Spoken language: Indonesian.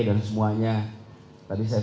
dan semuanya tadi saya